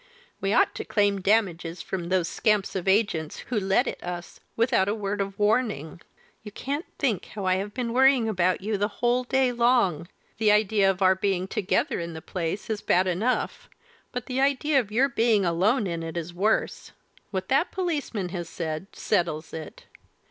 We ought to claim damages from those scamps of agents who let it us without a word of warning. You can't think how I have been worrying about you the whole day long; the idea of our being together in the place is bad enough, but the idea of your being alone in it is worse. What that policeman has said, settles it.